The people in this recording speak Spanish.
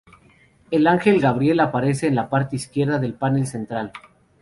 El ángel Gabriel aparece en la parte izquierda del panel central.